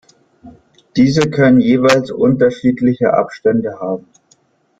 Diese können jeweils unterschiedliche Abstände haben.